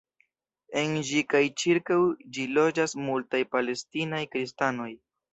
En ĝi kaj ĉirkaŭ ĝi loĝas multaj palestinaj kristanoj.